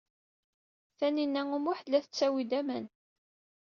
Tinhinan u Muḥ tella tettawey-d aman.